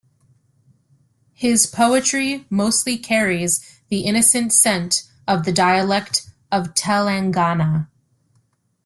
His poetry mostly carries the innocent scent of the dialect of Telangana.